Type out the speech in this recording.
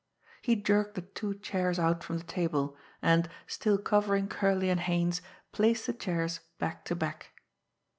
He jerked the two chairs out from the table, and, still covering Curley and Haines, placed the chairs back to back.